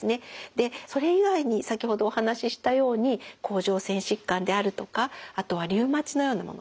でそれ以外に先ほどお話ししたように甲状腺疾患であるとかあとはリウマチのようなもの。